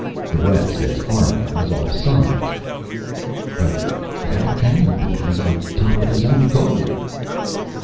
"The ref says our man was off side." "But how can he be? He's on top of his own goal!"